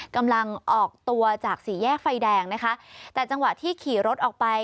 กำลังออกตัวจากสี่แยกไฟแดงนะคะแต่จังหวะที่ขี่รถออกไป